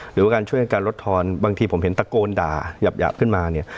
หรือว่าการช่วยการลดทอนบางทีผมเห็นตะโกนด่าหยาบขึ้นมาเนี่ย